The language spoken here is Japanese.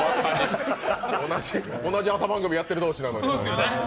同じ朝番組やってる同士やのに。